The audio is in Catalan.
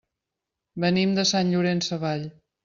Venim de Sant Llorenç Savall.